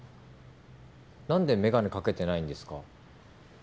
何で眼鏡掛けてないんですか？